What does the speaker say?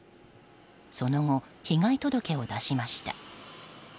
その後、被害届を出しました。